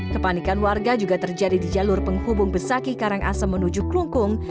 kepanikan warga juga terjadi di jalur penghubung besaki karangasem menuju kelungkung